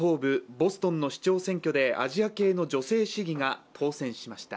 ボストンの市長選挙でアジア系の女性市議が当選しました。